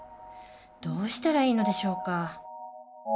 どうしたらいいのでしょうか